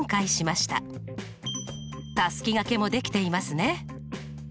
たすきがけもできていますね。